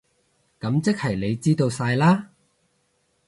噉即係你知道晒喇？